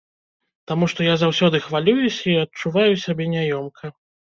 Таму што я заўсёды хвалююся і адчуваю сябе няёмка.